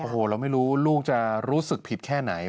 โอ้โหเราไม่รู้ลูกจะรู้สึกผิดแค่ไหน